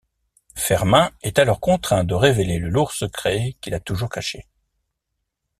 Fermin est alors contraint de révéler le lourd secret qu'il a toujours caché.